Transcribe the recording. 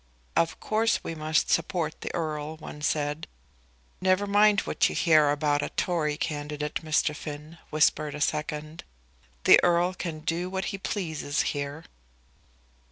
"Of course we must support the Earl," one said. "Never mind what you hear about a Tory candidate, Mr. Finn," whispered a second; "the Earl can do what he pleases here."